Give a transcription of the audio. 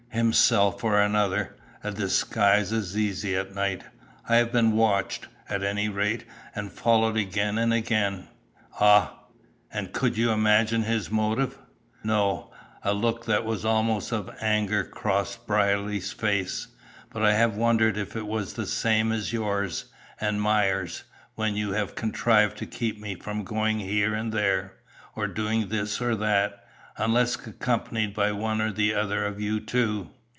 "Himself or another. A disguise is easy at night. I have been watched, at any rate, and followed again and again." "Ah! And could you imagine his motive?" "No." A look that was almost of anger crossed Brierly's face. "But I have wondered if it was the same as yours, and Myers, when you have contrived to keep me from going here and there, or doing this or that, unless accompanied by one or the other of you two."